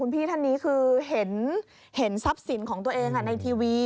พี่ท่านนี้คือเห็นทรัพย์สินของตัวเองในทีวี